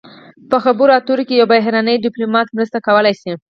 په خبرو اترو کې یو بهرنی ډیپلومات مرسته کولی شي